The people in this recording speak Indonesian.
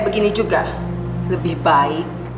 begini juga lebih baik